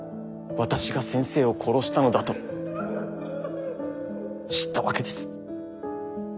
私が先生を殺したのだと知ったわけです。